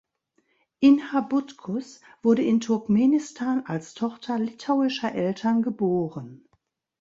Inha Butkus wurde in Turkmenistan als Tochter litauischer Eltern geboren.